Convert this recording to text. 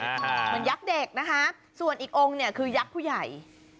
เหมือนยักษ์เด็กนะคะส่วนอีกองค์เนี่ยคือยักษ์ผู้ใหญ่